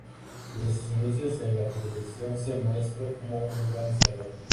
Desde sus inicios en la competición, se muestra como un gran escalador.